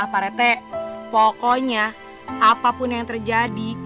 pak rete pokoknya apapun yang terjadi